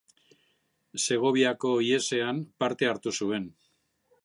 Segoviako ihesean parte hartu zuen.